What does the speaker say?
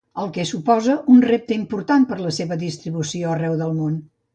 El que suposa un repte important per la seva distribució arreu del món.